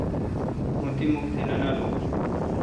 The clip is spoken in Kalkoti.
مہ تی مھک تہ نہ نالو۔